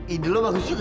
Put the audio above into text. ide lo bagus juga ny